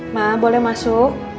ma boleh masuk